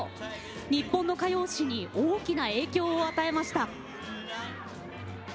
日本の歌謡史に大きな影響を与えました。